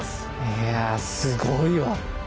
いやすごいわ。